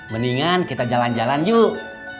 mendingan kita jalan jalan yuk